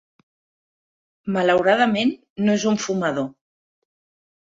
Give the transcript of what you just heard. Malauradament, no es un fumador.